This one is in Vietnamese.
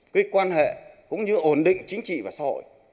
cái quan hệ cũng như ổn định chính trị và xã hội